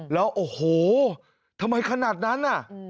แล้วโอ้โหทำไมขนาดนั้นน่ะ